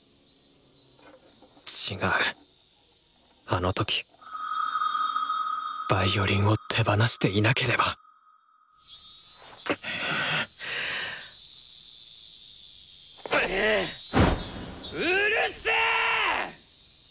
違うあの時ヴァイオリンを手放していなければうるせ！